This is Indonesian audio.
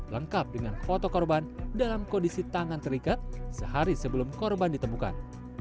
lengkap dengan foto korban dalam kondisi tangan terikat sehari sebelum korban ditemukan